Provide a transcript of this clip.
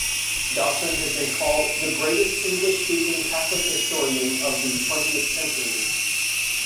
Dawson has been called "the greatest English-speaking Catholic historian of the twentieth century".